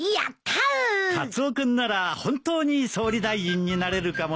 カツオ君なら本当に総理大臣になれるかもしれないね。